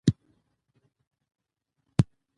د مړو حیواناتو ښخول د ناروغیو د خپرېدو مخه نیسي.